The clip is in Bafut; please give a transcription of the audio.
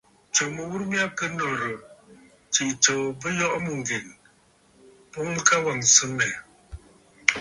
Tsuu mɨghurə mya kɨ nɔ̀rə̀, tsiʼì tsǒ bɨ yɔʼɔ mûŋgen, boŋ mɨ ka wàŋsə mmɛ̀.